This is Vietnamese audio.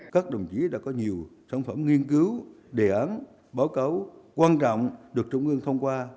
các đồng chí đã có nhiều sản phẩm nghiên cứu đề án báo cáo quan trọng được trung ương thông qua